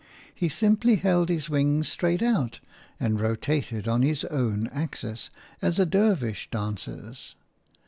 He simply held his wings straight out and rotated on his own axis, as a Dervish dances.